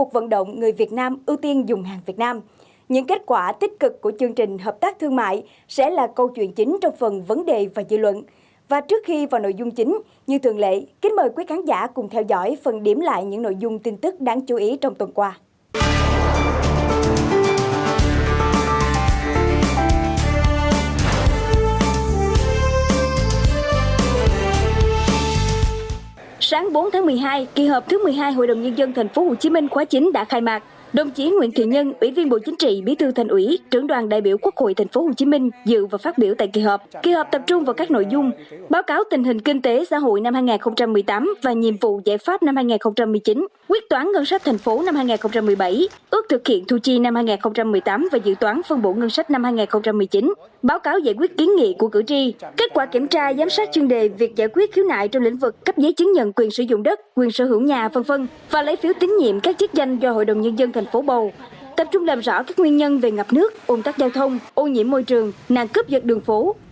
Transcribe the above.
báo tình hình kinh tế xã hội năm hai nghìn một mươi tám và nhiệm vụ giải pháp năm hai nghìn một mươi chín quyết toán ngân sách thành phố năm hai nghìn một mươi bảy ước thực hiện thu chi năm hai nghìn một mươi tám và dự toán phân bổ ngân sách năm hai nghìn một mươi chín báo cáo giải quyết kiến nghị của cử tri kết quả kiểm tra giám sát chương đề việc giải quyết khiếu nại trong lĩnh vực cấp giấy chứng nhận quyền sử dụng đất quyền sở hữu nhà v v và lấy phiếu tín nhiệm các chiếc danh do hội đồng nhân dân thành phố bầu tập trung làm rõ các nguyên nhân về ngập nước ôn tắc giao thông ô nhiễm môi trường nạn cướp giật đường phố